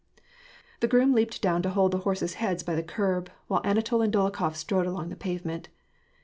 The groom leaped down to hold the horses' heads by the curb, while Anatol and Dolokhof strode along the pavement.